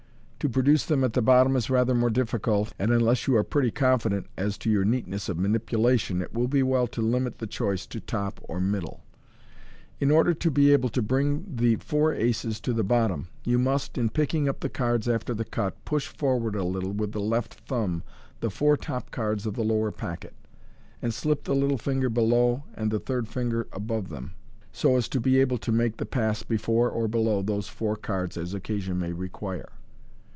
To produce them MODERN MAGIC, at the bottom is rather more difficult, and unless you are pretty con fident as to your neatness of manipulation, it will be well to limit the choice to " top " or " middle." In order to be able to bring the font aces to the bottom, you must, in picking up the cards after the cut, push forward a little with the left thumb the four top cards of the lower packet, and slip the little finger below and the third fingei above them, so as to be able to make the pass above or below those four cards as occasion may require.